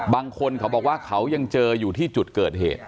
บางคนเขาบอกว่าเขายังเจออยู่ที่จุดเกิดเหตุ